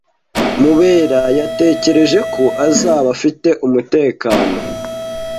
Mubera yatekereje ko azaba afite umutekano.